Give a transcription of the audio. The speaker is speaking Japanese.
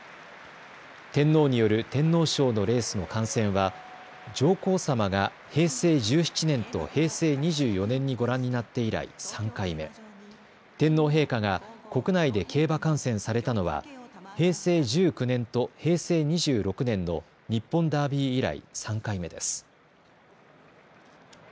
天皇による天皇賞のレースの観戦は上皇さまが平成１７年と平成２４年にご覧になって以来、３回目、天皇陛下が国内で競馬観戦されたのは平成１９年と平成２６年の日本ダービー以来、３回目です。